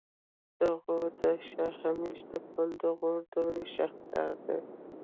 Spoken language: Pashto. د غور د شاهمشه د پل د غوري دورې شاهکار دی